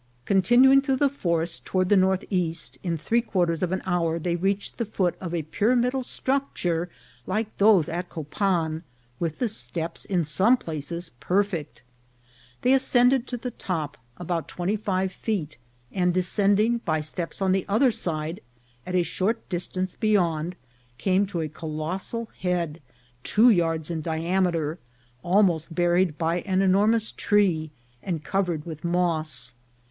Continuing through the forest toward the northeast, in three quarters of an hour they reached the foot of a pyramidal structure like those at Copan, with the steps in some places perfect. They ascended to the top, about twenty five feet, and descending by steps on the other side, at a short distance beyond came to a colossal head two yards in diameter, almost buried by an enormous tree, and covered with moss.